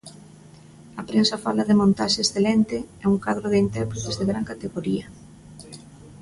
A prensa fala de montaxe excelente e un cadro de intérpretes de gran categoría.